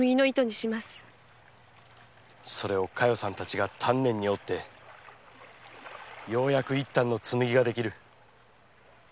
それを加代さんたちが丹念に織りようやく一反の紬ができる